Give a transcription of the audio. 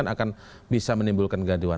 akan bisa menimbulkan gaduhan